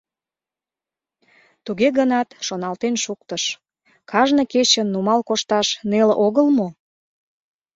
Туге гынат шоналтен шуктыш: кажне кечын нумал кошташ неле огыл мо?